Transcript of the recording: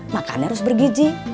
makannya harus bergiji